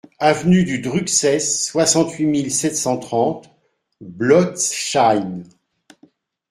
Avenue du Drucksess, soixante-huit mille sept cent trente Blotzheim